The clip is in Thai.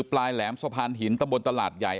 ปลายแหลมสะพานหินตะบนตลาดใหญ่